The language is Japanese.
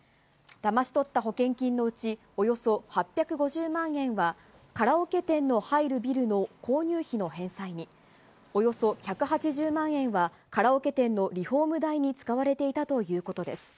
だまし取った保険金のうち、およそ８５０万円はカラオケ店の入るビルの購入費の返済に、およそ１８０万円はカラオケ店のリフォーム代に使われていたということです。